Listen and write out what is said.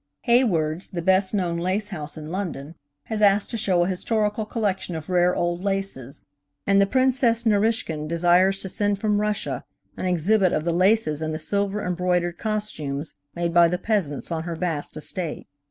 Hayward's, the best known lace house in London, has asked to show a historical collection of rare old laces, and the Princess Narischkine desires to send from Russia an exhibit of the laces and the silver embroidered costumes made by the peasants on her vast estate.